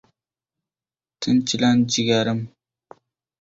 Tinchlan, jigarim